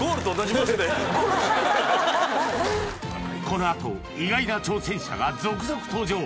このあと意外な挑戦者が続々登場！